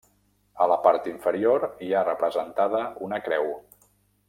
A la part inferior hi ha representada una creu.